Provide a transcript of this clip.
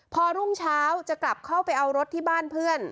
พอรุ่งเช้าจะกลับเข้าไปเอารถที่บ้านเพื่อน